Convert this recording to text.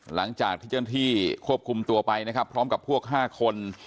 หลังจากที่เจ้าหน้าที่ควบคุมตัวไปนะครับพร้อมกับพวก๕คน